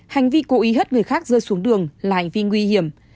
hành vi cố ý hất người khác rơi xuống đường là hành vi nguy hiểm